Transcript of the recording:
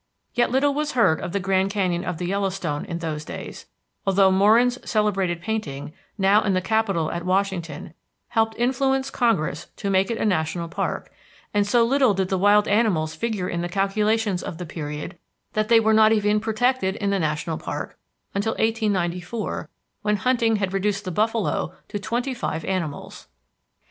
Yet little was heard of the Grand Canyon of the Yellowstone in those days, although Moran's celebrated painting, now in the Capitol at Washington, helped influence Congress to make it a national park; and so little did the wild animals figure in the calculations of the period that they were not even protected in the national park until 1894, when hunting had reduced the buffalo to twenty five animals.